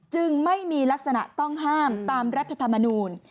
จึงไม่มีลักษณะต้องห้ามตามรัฐธรรมนูล